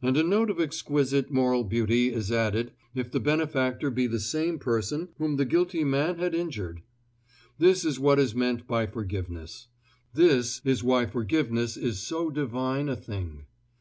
And a note of exquisite moral beauty is added if the benefactor be the same person whom the guilty man had injured. This is what is meant by forgiveness. This is why forgiveness is so divine a thing.